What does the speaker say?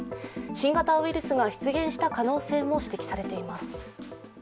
新型ウイルスが出現した可能性も指摘されています。